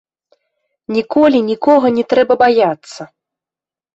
Ніколі нікога не трэба баяцца.